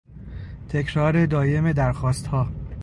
تکرار دایم درخواستها